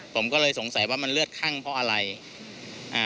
ผมก็เลยสงสัยว่ามันเลือดคั่งเพราะอะไรอ่า